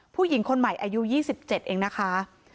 ผู้หญิงคนใหม่อายุ๒๗เองนะคะ